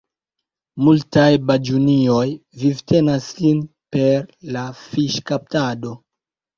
Multaj baĝunioj vivtenas sin per la fiŝkaptado.